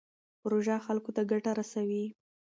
پروژه خلکو ته ګټه رسوي.